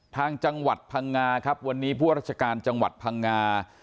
ทางจังหวัดพังงาครับวันนี้ผู้ราชการจังหวัดพังงา